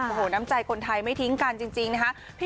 โอ้โหน้ำใจคนไทยไม่ทิ้งกันจริงนะคะ